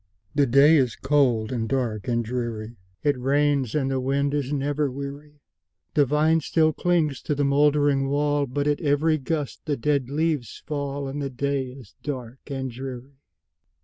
The day is cold, and dark, and dreary; It rains, and the wind is never weary; The vine still clings to the moldering wall, But at every gust the dead leaves fall, And the day is dark and dreary.